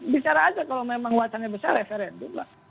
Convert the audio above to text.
bicara aja kalau memang wacana besar referendum lah